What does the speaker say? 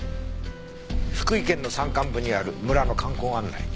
福井県の山間部にある村の観光案内。